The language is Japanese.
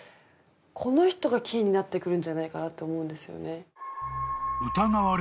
この人がキーになってくるんじゃないかなって思うんですよね。